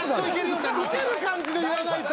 ウケる感じで言わないと。